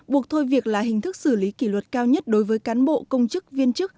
buộc thôi việc là hình thức xử lý kỷ luật cao nhất đối với cán bộ công chức viên chức